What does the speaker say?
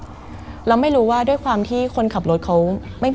มันกลายเป็นรูปของคนที่กำลังขโมยคิ้วแล้วก็ร้องไห้อยู่